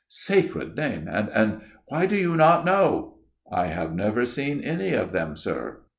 "' Sacred name and and why do you not know?' "' I have never seen any of them, sir.'